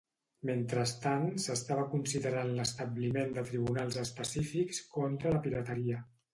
Mentrestant s'estava considerant l'establiment de tribunals específics contra la pirateria.